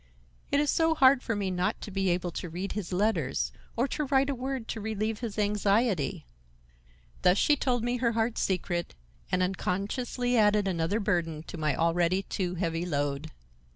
"It is so hard for me not to be able to read his letters, or to write a word to relieve his anxiety." Thus she told me her heart's secret, and unconsciously added another burden to my already too heavy load.